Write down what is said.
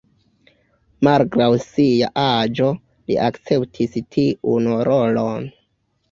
Malgraŭ sia aĝo, li akceptis tiun rolon.